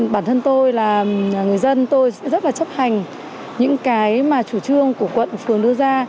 bản thân tôi là người dân tôi rất là chấp hành những cái mà chủ trương của quận phường đưa ra